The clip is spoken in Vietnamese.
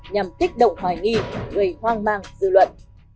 nhằm kích động hoài nghi gây hoang mang dư luận